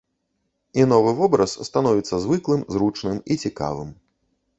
І новы вобраз становіцца звыклым, зручным і цікавым.